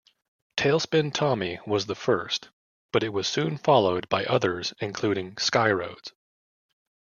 "Tailspin Tommy" was the first, but it was soon followed by others, including "Skyroads".